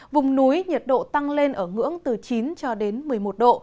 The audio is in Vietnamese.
vùng núi nhiệt độ tăng lên ở ngưỡng từ chín cho đến một mươi một độ